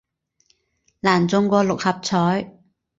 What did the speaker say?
難中過六合彩